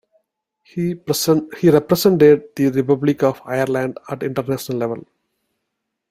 He represented the Republic of Ireland at international level.